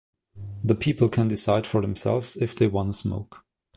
The people can decide for themselves if they wanna smoke.